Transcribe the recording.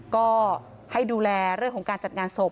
ก็ให้ดูแลเรื่องของการจัดงานศพ